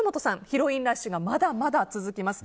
ヒロインラッシュがまだまだ続きます。